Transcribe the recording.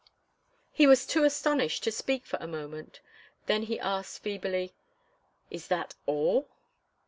He was too astonished to speak for a moment; then he asked, feebly, "Is that all?"